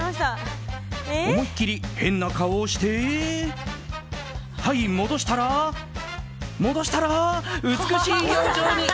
思いっきり変な顔をしてはい、戻したら美しい表情に！